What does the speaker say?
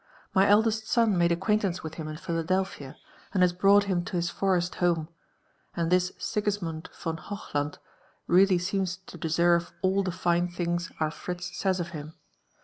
My eldest son mac^e ac quaintance with him in Philadelphia, and has brought him to his forest home ; and this Sigismond von Hochland really seems to deserve all the fine things our Fritz says of him.